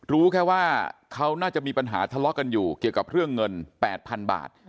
รู้แค่ว่าเขาน่าจะมีปัญหาทะเลาะกันอยู่เกี่ยวกับเรื่องเงิน๘๐๐๐บาท